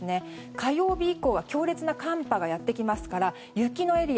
火曜日以降は強烈な寒波がやってきますから雪のエリア